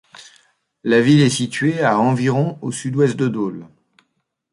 La ville est située à environ au sud-ouest de Dole.